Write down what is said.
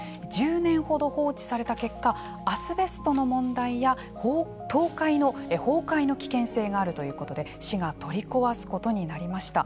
１０年ほど放置された結果アスベストの問題や崩壊の危険性があるということで市が取り壊すことになりました。